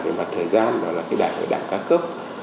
về mặt thời gian đó là cái đảng của đảng ca cấp